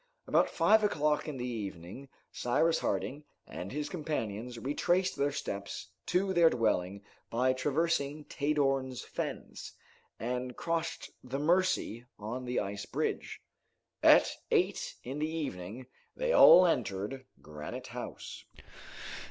About five o'clock in the evening Cyrus Harding and his companions retraced their steps to their dwelling by traversing Tadorn's Fens, and crossed the Mercy on the ice bridge. At eight in the evening they all entered Granite House.